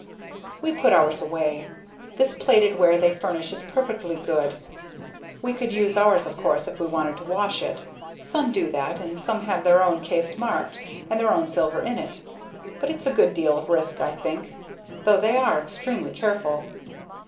"We put ours away. This plated ware they furnish is perfectly good. We could use ours of course if we wanted to wash it. Some do that and some have their own case marked, and their own silver in it, but it's a good deal of risk, I think, though they are extremely careful."